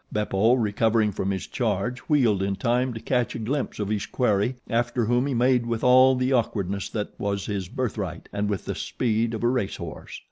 Beppo, recovering from his charge, wheeled in time to catch a glimpse of his quarry after whom he made with all the awkwardness that was his birthright and with the speed of a race horse.